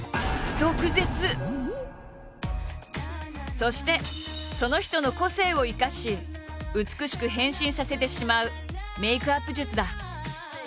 そしてその人の個性を生かし美しく変身させてしまうメイクアップ術だ。